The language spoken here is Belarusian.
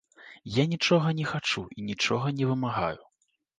Я нічога не хачу і нічога не вымагаю.